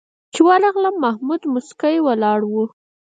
چې ورغلم محمود موسکی ولاړ و.